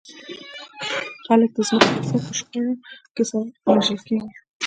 خلک د ځمکو پر سر په شخړه کې سره وژل کېږي.